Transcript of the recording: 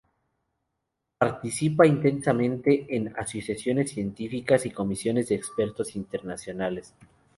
Participa intensamente en asociaciones científicas y comisiones de expertos internacionales.